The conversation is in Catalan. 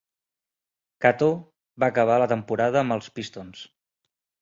Cato va acabar la temporada amb els Pistons.